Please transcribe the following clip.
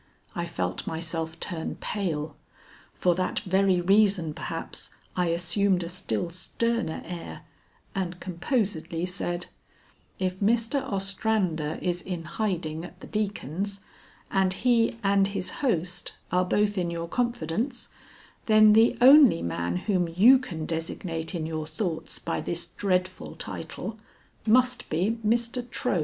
I felt myself turn pale; for that very reason, perhaps, I assumed a still sterner air, and composedly said: "If Mr. Ostrander is in hiding at the Deacon's, and he and his host are both in your confidence, then the only man whom you can designate in your thoughts by this dreadful title must be Mr. Trohm."